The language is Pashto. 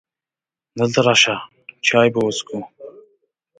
دلته راشه! چای به وڅښو .